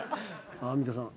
アンミカさん。